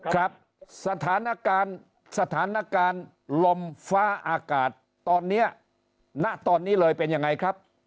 ครับสถานการณ์สถานการณ์ลมฟ้าอากาศตอนนี้ณตอนนี้เลยเป็นยังไงครับ